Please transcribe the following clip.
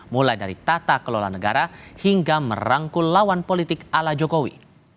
mulai dari tata kelola negara hingga merangkul lawan politik ala jokowi